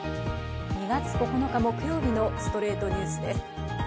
２月９日、木曜日の『ストレイトニュース』です。